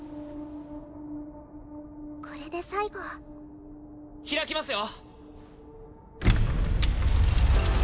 これで最後開きますよ